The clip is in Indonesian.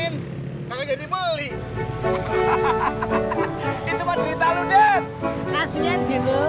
eh kamu mau beracun